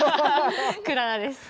クララです。